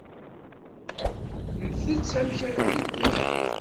Ntett amek ara nedder.